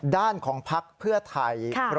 ด้านของพักเพื่อไทย